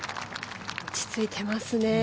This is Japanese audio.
落ち着いてますね。